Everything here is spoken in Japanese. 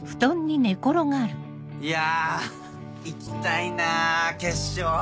いや！いきたいな決勝。